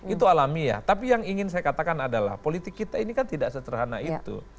itu alamiah tapi yang ingin saya katakan adalah politik kita ini kan tidak seterhana itu